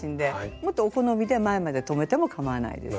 もっとお好みで前まで留めてもかまわないです。